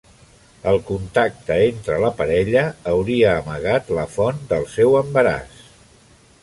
El contacte entre la parella hauria amagat la font del seu embaràs.